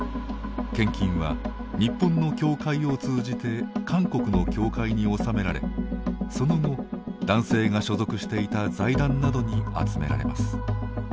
献金は日本の教会を通じて韓国の教会に納められその後、男性が所属していた財団などに集められます。